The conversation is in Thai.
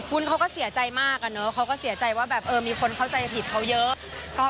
เขาก็เสียใจมากอะเนาะเขาก็เสียใจว่าแบบเออมีคนเข้าใจผิดเขาเยอะ